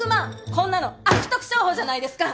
こんなの悪徳商法じゃないですか！